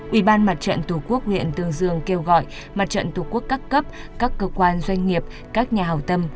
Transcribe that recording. ủy ban mặt trận tổ quốc huyện tương dương kêu gọi mặt trận tổ quốc các cấp các cơ quan doanh nghiệp các nhà hào tâm